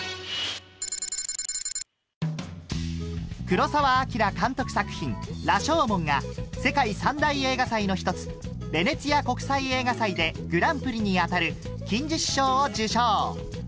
黒沢明監督作品『羅生門』が世界三大映画祭の一つヴェネツィア国際映画祭でグランプリに当たる金獅子賞を受賞